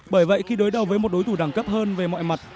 bởi vậy khi đối đầu với một đối thủ đẳng cấp hơn về mọi mặt